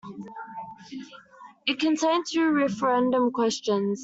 It contained two referendum questions.